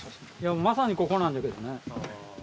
まさにここなんじゃけどね。